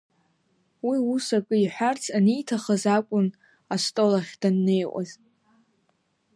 Уи ус акы иҳәарц аниҭахыз акәын астол ахь даннеиуаз.